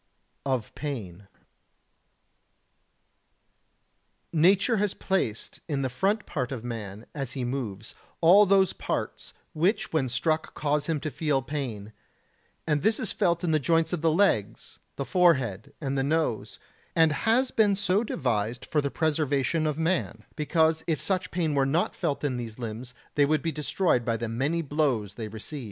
[Sidenote: Of Pain] 82. Nature has placed in the front part of man, as he moves, all those parts which when struck cause him to feel pain; and this is felt in the joints of the legs, the forehead and the nose, and has been so devised for the preservation of man, because if such pain were not felt in these limbs they would be destroyed by the many blows they receive.